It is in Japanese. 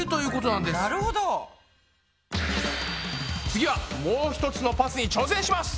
次はもう一つのパスに挑戦します！